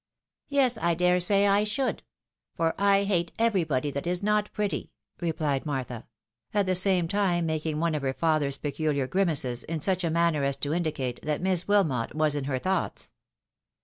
" Yes, I dare say I should ; for I hate everybody that is not pretty," rephed Martha ; at the same time making one of her father's peculiar grimaces, in such a manner as to indicate that Miss Wilmot was in her thoughts.